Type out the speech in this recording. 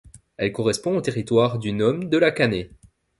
Elle correspond au territoire du nome de La Canée.